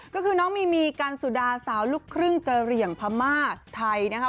ก็คือน้องมีมีกันสุดาสาวลูกครึ่งกะเหลี่ยงพม่าไทยนะคะ